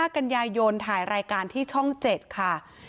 กันยายนถ่ายรายการที่ช่อง๗ค่ะ